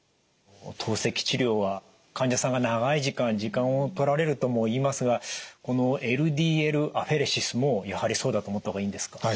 透析治療は患者さんが長い時間時間をとられるともいいますがこのＬＤＬアフェレシスもやはりそうだと思った方がいいんですか？